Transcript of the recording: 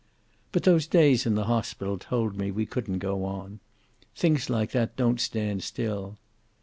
"But those days in the hospital told me we couldn't go on. Things like that don't stand still.